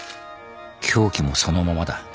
凶器もそのままだ。